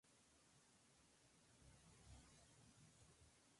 Su diseño era metalizado, existiendo en los colores plata, blanco y negro.